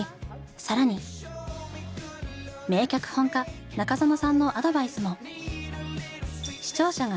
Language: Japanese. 更に名脚本家中園さんのアドバイスも。